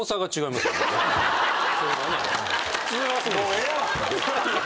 もうええわ。